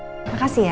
terima kasih ya